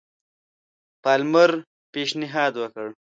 پالمر پېشنهاد وکړ.